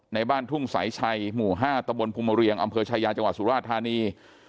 ในบ้านทุ่งสายชัยหมู่๕ตะบนภูมิเรียงอำเภอชายาจังหวัดสุราธานี